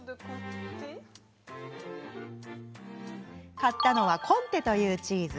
買ったのはコンテというチーズ。